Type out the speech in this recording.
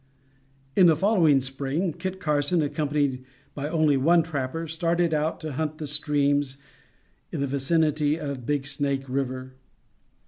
In the following spring Kit Carson, accompanied by only one trapper, started out to hunt the streams in the vicinity of Big Snake River.